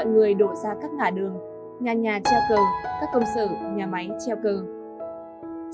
mọi người đổ ra các ngã đường nhà nhà treo cờ các công sở nhà máy treo cờ